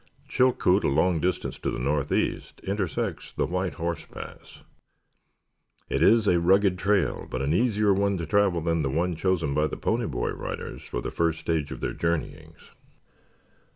Chilkoot a long distance to the northeast intersects the White Horse Pass. It is a rugged trail, but an easier one to travel than the one chosen by the Pony Rider Boys for the first stage of their journeyings.